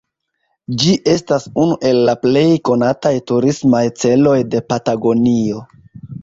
Ĝi estas unu el la plej konataj turismaj celoj de Patagonio.